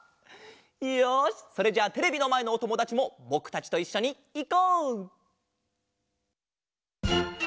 よしそれじゃあテレビのまえのおともだちもぼくたちといっしょにいこう！